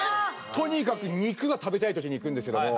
とにかく肉が食べたい時に行くんですけども。